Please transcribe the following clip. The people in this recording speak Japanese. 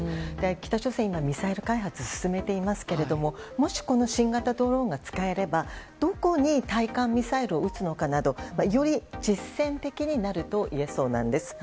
北朝鮮は今、ミサイル開発を進めていますけどももしこの新型ドローンが使えればどこに対艦ミサイルを撃つのかなどより実戦的になるといえそうなんです。